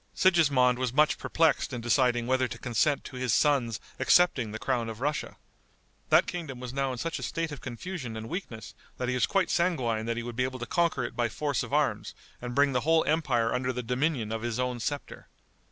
Sigismond was much perplexed in deciding whether to consent to his son's accepting the crown of Russia. That kingdom was now in such a state of confusion and weakness that he was quite sanguine that he would be able to conquer it by force of arms and bring the whole empire under the dominion of his own scepter.